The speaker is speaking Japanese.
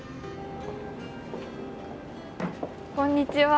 こんにちは。